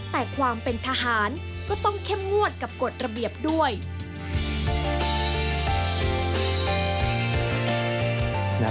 แต่ความเป็นทหารก็ต้องเข้มงวดกับกฎระเบียบด้วย